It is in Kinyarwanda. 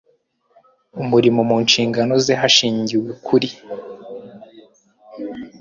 umurimo mu nshingano ze hashingiwe kuri